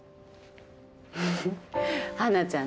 フフフ華ちゃん